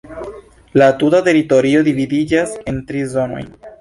La tuta teritorio dividiĝas en tri zonojn.